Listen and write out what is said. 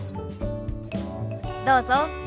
どうぞ。